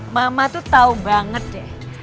mama tuh tahu banget deh